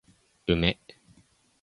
梅